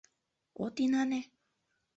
От инане?